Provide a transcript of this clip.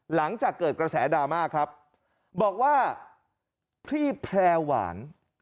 หลังจากเกิดกระแสดราม่าครับบอกว่าพี่แพร่หวาน